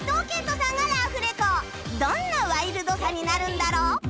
どんなワイルドさになるんだろう？